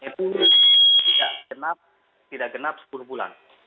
sampai dengan ditangkapnya jaraknya itu tidak genap sepuluh bulan